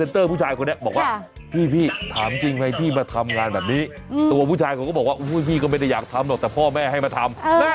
ติดกันขนาดนั้นเลยเหรอ